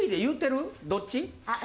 どっち？